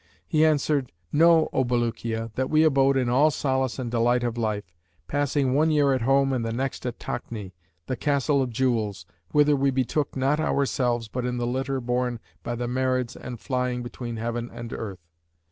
He answered, 'Know, O Bulukiya, that we abode in all solace and delight of life, passing one year at home and the next at Takni, the Castle of Jewels, whither we betook not ourselves but in the litter borne by the Marids and flying between heaven and earth.'